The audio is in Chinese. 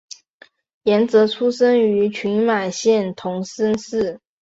岩泽出生于群马县桐生市。